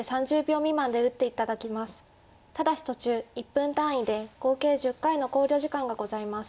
ただし途中１分単位で合計１０回の考慮時間がございます。